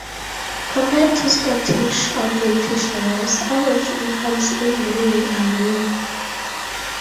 Compared to Scottish or British levels, average incomes in Moray are low.